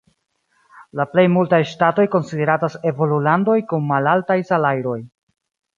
La plej multaj ŝtatoj konsideratas evolulandoj kun malaltaj salajroj.